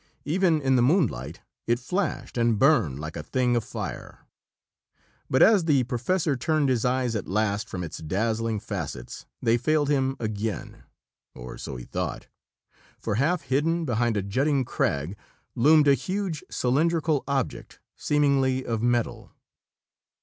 Even in the moonlight, it flashed and burned like a thing afire. But as the professor turned his eyes at last from its dazzling facets, they failed him again or so he thought for half hidden behind a jutting crag loomed a huge cylindrical object, seemingly of metal.